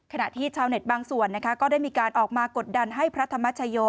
ขณะที่ชาวเน็ตบางส่วนนะคะก็ได้มีการออกมากดดันให้พระธรรมชโย